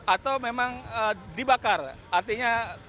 atau memang kebakaran